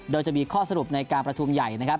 โดยจะมีข้อสรุปในการประชุมใหญ่นะครับ